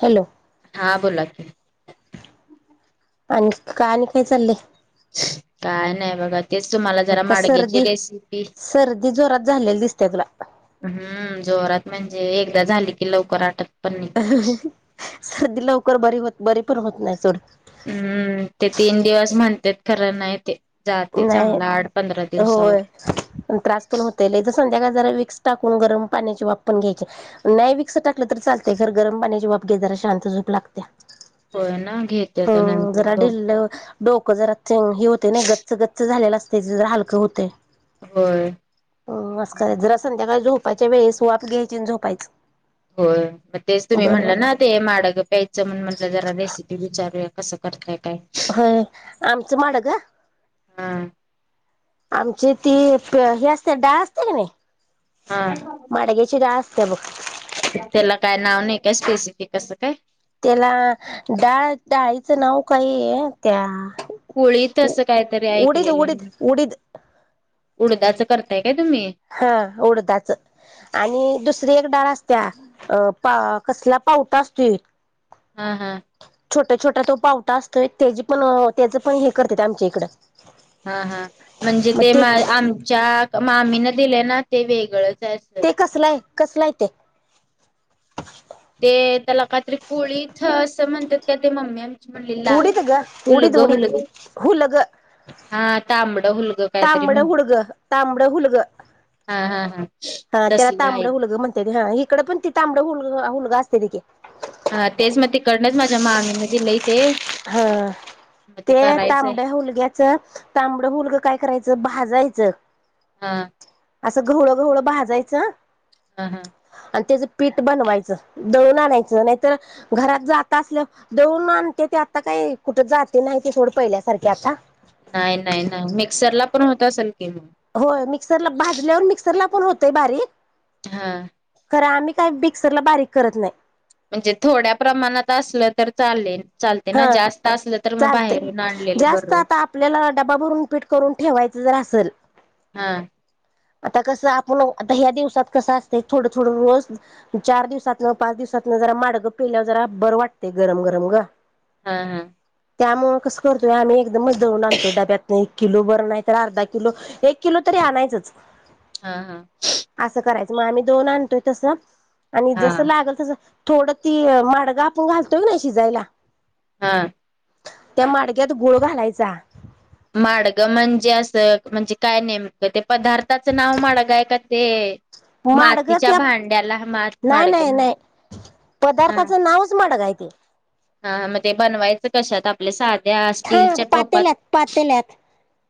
Hello. हा बोला की. आणि का आणि काय चाललंय.. काय नाही बघा. तेच तुम्हाला जरा आता माडग्याची सर्दी रेसिपी.. सर्दी जोरात झालेली दिसते तुला हम्म जोरात म्हणजे एकदा झाली की लवकर आटत.. पण नाही. अहहह सर्दी लवकर बरी होत बरी पण होत नाही सर्दी. हम्म ते तीन दिवस म्हणतात खरं नाही ते. जाते नाही चांगला आठ पंधरा दिवसावर होय प त्रास पण होतल इथ संध्याकाळ.. जरा व्हिक्स टाकून गरम पाण्याची वाप पण घ्यायची नाही व्हिक्स टाकलं तर चालतयर गरम पाण्याची वाप घे जरा. शांत झूप लागते. होय ना घेतेआता नंतर झोप. डोक जरा हे होते ना गच्च गच्च झालेला असते जरा हलकं होतय. होय हम अस खरा मग जरा संध्याकाळी झोपायच्या वेळेस वाप घ्यायचीन झोपायचं. होय मग तेच तुम्ही बरं म्हणलं ना ते वाटतंय माडग प्यायचं म्हण म्हटलं जरा रेसिपी विचारूया. कसं करताय काय. होय आमचं माड ग. हा आमची ती हे असते डाळ असते का नाही? हा माडग्याची डाळ अस त्या बख त्याला काय नाव नाही काय स्पेसिफिक असं काय? त्याला डाळ डाळीचं नाव कायये त्या? कोळीत असं काहीतरी उडीद ऐकलेलं, उडीद उडीद उडदाच करताय. काय तुम्ही? हा उडदाच आणि दुसरी एक डाळ असत्या अं कसला पावटा असत्योय हा हा छोटा छोटा तो पावटा असतोय, त्याची पण त्याचं पण हे करते ते आमच्या इकडं. हा हा म्हणजे ते मा आमच्या मामी न दिले ना ते वेगळंच. आहे असं ते कसलय कसलाय ते? ते त्याला काहीतरी कोळीथं असं म्हणतात का ते मम्मी आम म्हणलीला उडीद ग उडीद हुलगं उडीद हुलगं हुलग हा तांबड हूलगं काहीतरी तांबडं म्हण हुडग तांबडं हुलगं हा हा हा हा त्याला तसलं आहे तांबड मुलगं म्हणत्यात. ह इकडे पण ते तांबडं हूलगं असते ते कि. हा तेच म तिकडनचं माझ्या मामी णे दिलय. हा. ते करायचंय तांबड्या हूलग्याचं, तांबडं हलगं काय करायचं भाजायचं. हा. असं गव्हळ गव्हळं भाजायचं हा हा आणि त्याचं पीठ बनवायचं. दळून आणायचं नाहीतर, घरात जात असलं दळून आणते त्यात. आता काही कुठं जाते नाही ते थोडं पहिले नाही नाही नाही मिक्सर ला पण होत असेल की मग? हो मिक्सरला भाजल्यावर मिक्सरला पण होतय बारीक हा. तर आम्ही काही बिक्सर ला बारीक करत नाही. म्हणजे थोड्या प्रमाणात असलं तर चालेल. चालते ना हा जास्त असलं तर मग चालतय, बाहेरून आणलेलं जास्त बरं आता आपल्याला डबा भरून पीठ करून ठेवायचं. जर आसल. हा आता कसं आपलं आता ह्या दिवसात कसं असतं थोडं थोडं रोज चार दिवसातन पाच दिवसात जरा माडगं पिल्या जरा बर वाटतेय गरम गरम गं. हा हा. त्यामुळे कसं करतोय आम्ही एकदमच दळून आणतो डब्यात नाही. किलोभर नाही तर अर्धा किलो, एक किलो तरी आणायचंच. हा हा. असं करायचं मग आम्ही दोन आणतोय तसं आणि हा जसं लागंल तसं थोडं ती माडगं आपण घालतोय का नई शिजायला हा त्या माडग्यात गुळ घालायचा. माडगं म्हणजे असं म्हणजे काय नेमकं ते पदार्थ त्याचं नाव माडग हाय का ते माडगं मातीच्या त्या भांड्याला मात नाही माडग नाही म्ह नाही पदार्थाचं नावच माडगं हाय ते. हा मग ते बनवायचं कशात? आपल्या साध्या हा स्टीलच्या टोपात? पातेल्यात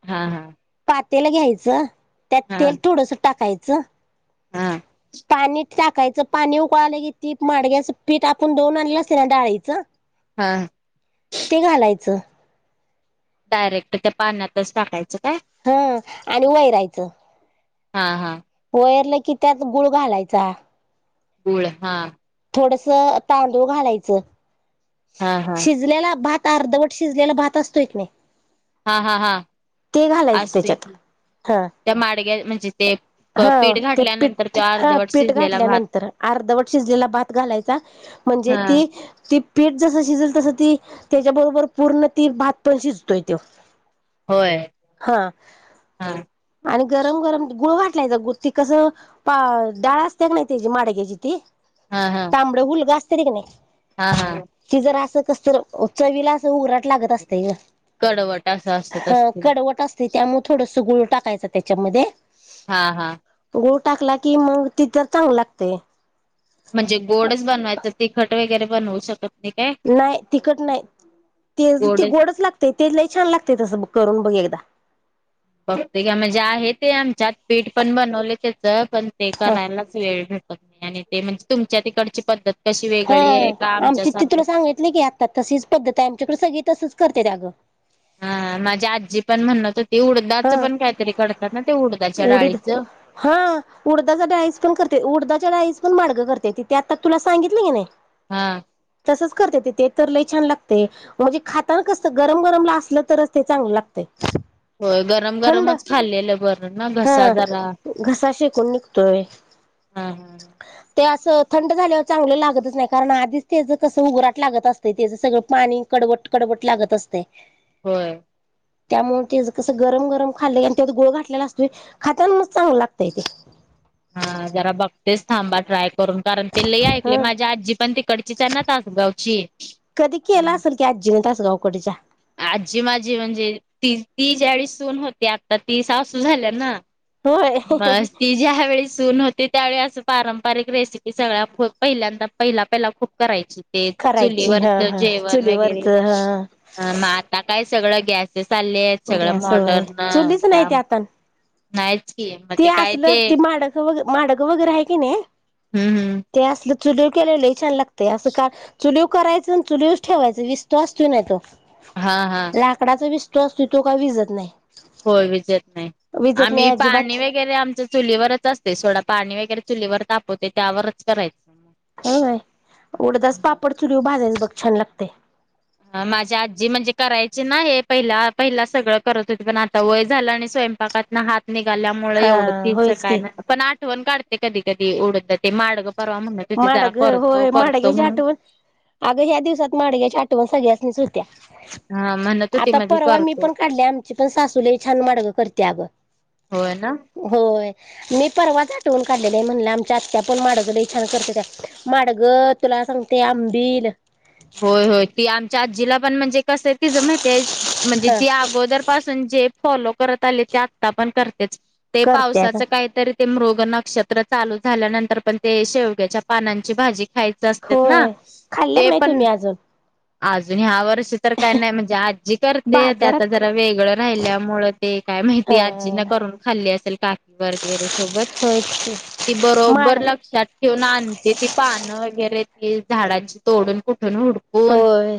हा हा. पातेल घ्यायचं, त्यात हा तेल थोडस टाकायचं. हा पाणी टाकायचं, पाणी उकळालं की ती माडग्याच पीठ आपण दळून आणलेलं असतं ना डाळीचं? हा ते घालायचं. डायरेक्ट त्या पाण्यातच टाकायचं? काय हा आणि वय राहायचं. हा हा वैरलं की त्यात गुळ घालायचा. गुळ हा थोडस तांदूळ घालायचं हा हा शिजलेला भात अर्धवट शिजलेला भात असतोय की नाही. हा हा हा ते घालायचं असतय त्याच्यात की हा, त्या माडग्या म्हणजे ते हा पीठ ते घातल्यानंतर पीठ तो हा अर्धवट पीठ शिजलेला भात घातल्यानंतर अर्धवट शिजलेला भात घालायचा म्हणजे हा ती ती पीठ जस शिजल तसं ती त्याच्याबरोबर पूर्ण ती भात पण शिजतोय तो होय हा हा ती कसं डाळ असते का नाही त्याची माडग्याची ती हा हा तांबड हुलग असत्याती नाही हा हा ती जर असं कस तर चवीला अस उराट लागत असते ग कडवट असं असत ह असतील कडवट असते. त्यामुळे थोडंस गुळ टाकायचं त्याच्यामध्ये हा हा गुळ टाकला की मग ति तर चांगल लागते. म्हणजे गोडच बनवायचं तिखट वगैरे बनवू शकत. नाही काय नाही तिखट नाही. ते ती गोडच लागते तेला छान लागते तसं करून बघ एकदा. बघत का म्हणजे आहे ते आमच्यात पीठ पण बनवले त्याच पण ते हा करायलाच वेळ भेटत नाही आणि ते म्हणजे तुमच्या तिकडची पद्धत कशी हा वेगळी आहे का आमची ती आमच्यासारखं तुला सांगितली की आता तशीच पद्धत आहे आमच्याकडे सगळी तसच कर त्यात आगं हा माझी आजी पण म्हणत होती. ते हा उडदाचं पण काहीतरी करतात ना ते उडदाच्या उडीद डाळीचं. हा उडदाचा डाळीस पण करते उडदाच्या डाळीस पण माडग करते तिथ ते आता तुला सांगितलं की नाही. हा. तसंच करते ते ते तर लई छान लागते म्हणजे खाताना कस गरम गरमला असलं तरच ते चांगलं लागतय. होय गरम थंड गरमच खाल्लेलं बर ना घसा हा जरा. घसा शेकून निघतोय. हा हा. ते अस असं थंड झाल्यावर चांगलं लागतच नाही कारण आधीच तेच कसं उगराट लागत असते त्याचं सगळं पाणी कडवट कड लागत असतय. होय. त्यामुळे तेज कस. गरम गरम खाल्ले आणि ते गोळ घाातलेला असतोय खात्याना म चांग लागतय ते. हा जरा बघतेच थांबा ट्राय. करून कारण ते ल ऐकले हा माझ्या आजी पण तिकडचीच आहे ना तासगावची. केलं हम्म. असेल की आजीने तास गावकीच्या. आजी माझी म्हणजे ती ती ज्याळी सून होती आत्ता ती सासू झाल्या ना. होय बस ती ज्या वेळी सून होती. ते त्यावेळी असं पारंपरिक रेसिपी सगळ्या खूप पहिल्यांदा पहिला पहिला खूप करायची. ते करायची हा चुलीवरच हा जेवण वगैरे चुलीवरच हा मग आता काय सगळं गॅस चालले आहेत सगळ असं होय मॉडर्न चुलीच नाही त्या ते आता नाही. ते असल ते माडक माडक वगैरे आहे की नाही. हम्म हम्म. ते असलं चुलीव केलेलं छान लागते असं का चुलीव करायचं चुलीवच ठेवायचं विस्तव असतोय नाही तो. हा हा लाकडाचा विस्तो असतो तो का विजत नाही. होय विजेत नाही विजत नाही आम्ही अजिबात पाणी वग वगैरे आमच्या चुलीवरच असते थोडा पाणी वगैरे चुलीवर तापवते त्यावरच करायच. हय उडदाच पापड चुली वरभाजायच बघ छान लागतय. माझी आजी म्हणजे करायची नाही पहिला पहिला सगळं करत होते पण आता वय झालं आणि स्वयंपाकात ना हात. निघाल्यामुळे हा एवढं तिचं होयच काय की नाही पण आठवण काढते कधी कधी उडत ते माडगं. परवा म्हणत होती जरा माडग करतो होय करतो माडग्याची म्हणून आठवण अगं ह्या दिवसात माडग्याच्या आठवण सगळ्या. सुत्या. हा. म्हणत होती आता मधी परवा मी करतो पण काढली आमची पण सासूले छान मडगं करते अगं. होय ना होय मी परवा आठवून काढलेला म्हणलं आमच्या आतया पण माडग. छान करते त्या माडगं तुला सांगते आंबिल. होय होय ती आमच्या आजीला पण म्हणजे. कसं आहे तिच माहितीय म्हणजे ह ती अगोदर पासून जे फॉलो करत आले ते आता पण कर. ते करत्या ना पावसाच काहीतरी. ते मृग नक्षत्र चालू झाल्यानंतर पण ते शेवग्याच्या पानांची भाजी. ख्यायच असत ना होय खाल्ल्या का ते. नाही पण तुम्ही अजून. अजून ह्या वर्ष. तर काय नाही म्हणजे आजी करते आता बाजारात जरा वेगळं राहिल्यामुळे ते काय माहिती आजी ह न. करून खाल्ली असेल काठी वगैरे. सोबत होय की ती बरोबर माड लक्षात ठेऊून आणते ती पाणं वगैरे झाडांची तोडून. न हुडकून होय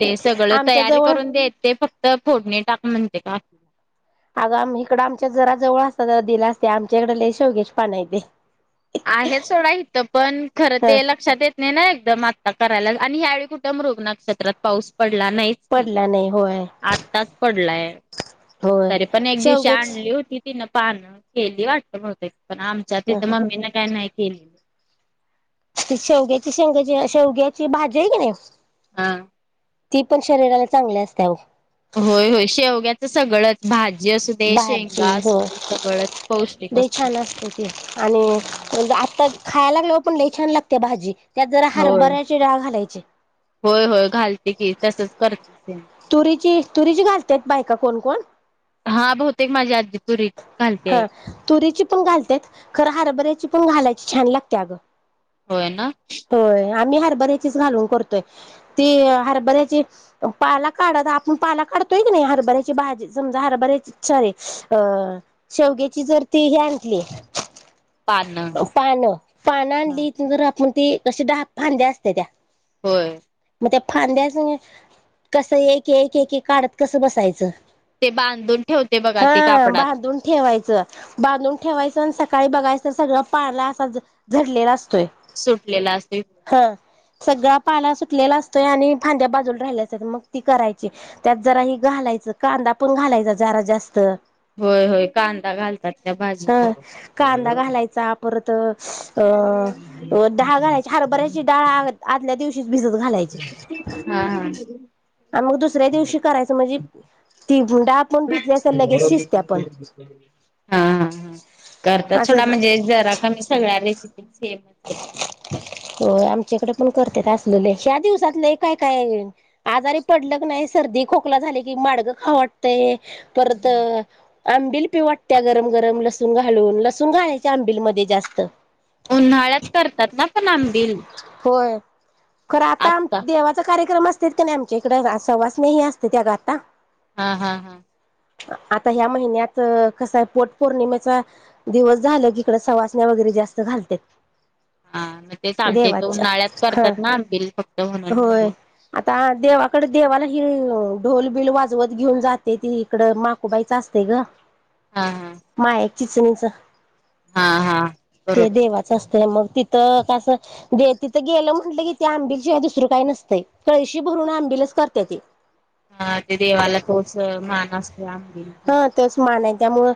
ते सगळं आमच्या तयारी जवळ करून देत ते फक्त. तर फोडणी टाक म्हणते काला. अगं आम इकडं आमच्या जरा जवळ असत ज दिला असते आमच्या इकडे ललय शेवग्याच्या पान हाय ते. आहे सोडा इथं पण खरं ह ते लक्षात येत. नाही ना एकदम आत्ता करायलाच आणि ह्यावेळी कुठे मृग नक्षेत्रात पाऊस पडला नाहीच की पडला नाही होय आत्ताच पडलाय होय तरी पण एक दिवशी शेवग्याची आणली होती तिन पानं केली वाटतते पण आमच्याात हं त हं मी ना काय नाही केली त शेवग्याची शेवंग्याची शेवग्याची भाजी आहे का नाही हा ती पण शरीराला चांगली असते हो होय हो शेवग्याच सगळंच भाजी असू दे भाजी शेंगा हो असू दे सगळंच पौष्टिक ते छान असते तेी आणि म्हणज आता खायला लागल पण लई छान लागते भाजी त्यात जरा होय हरभऱ्याची डाळ घालायचे होय होय घालते की तसच करते सेम तुरीची तुरीची घालतत बायका कोण कोण हा बहुतेक माझी आजी तुरीच घालते आहे. हा तुरीची पण घालत खरं हरभऱ्याची पण घालायची छान लागते अगं होय ना होय आम्ही हरभऱ्याचीच घालून करतोय ती हरभऱ्याची पाला काढ आपण पाला काढतोयी नाही हरभऱ्याची भाजी समजा हरभऱ्या स शेवची जर ती ह आणली पानं पानं पानं हा. आणलीर आपण त क दहा फांद्या असते त्या होय मग त्या फांद्याच कसं एक एक एक एक काढत कसं बसायचं ते बांधून ठेवते बघा ते हा कापडात बांधून ठेवायचं बांधून ठेवायचं आणि सकाळी बघायचं तर सगळं पारला असा झडलेला असतोय सुटलेला असे हा सगळा पाळा सुटलेला असतो आणि फांद्या बाजूला राहिल्या असतात मग ती करायची त्यात जरा ही घालाय कांदा पण घालायचा जरा जास्त होय होय कांदा घालतात त्या ह भाजीला कांदा घालायचा परत अ ह डाळ घालायची हर बऱ्याचची डाळ आदल्या दिवशीच भिजत घालायची हा हा. आणि मग दुसऱ्या दिवशी करायचं म्हणजे ती डाळ पण भिजली असेल लगेच शिजत्या पण हा हा हा करताात थोडा असं म्हणजे जरा कामीी सगळ्या रेसिपी सेम होय पण कर अस ह दिवसातले काय काय आजारी पडल नाही सर्दी खोकला की मागं खा वाटतय परत आंबिल पि वाटत्या गरम गरम लसूण घालून लसूण घालायच्या आंबिलमध्ये जास्त उन्हाळ्यात करतात ना पण आंबिल होय खरं आता आत्ता. देवाच कार्य कार्यक्रम असत का नाही आमच्या इकडे सहवासनेही असते त्या ग आता हा हा हा आता ह्या महिन्यात कस आहे पोट पौर्णिमेचा दिवस झाला किकड सवासण्या वगैरे जास्त घालते हा मग तेच आमच्याथ उन्हाळ्यात हा करतात ना आंबि फक्त म्हणून होय. म्हे आता देवाकडे देवाला ढोलबिल वाजवत घेऊन जाते ती इकडं माकूबाईच असते ग हा हा मा चिचणीच हा हा ते बरोबर देवाचं मग तिथं कसं तिथं गेलं म्हंटलं कि आंब शिवाय दुसरं काय नसतय कळशी पूर्ण आमबिलेस करते ते हा ते देवाला तोच मान असतो आमदिरीचा त्यामुं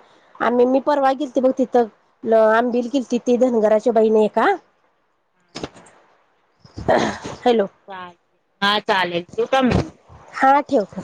आम्ही मी परवा गेलती बघ तिथं आंबिल गेलती ती धनगराच्या बहिणी एका [inaudible] चाले हा चालेल ठेवू का मी हा ठेव